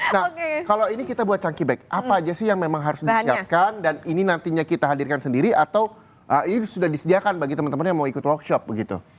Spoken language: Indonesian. nah kalau ini kita buat cangki back apa aja sih yang memang harus disiapkan dan ini nantinya kita hadirkan sendiri atau ini sudah disediakan bagi teman teman yang mau ikut workshop begitu